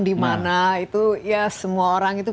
dimana itu ya semua orang itu